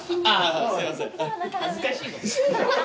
恥ずかしいわ。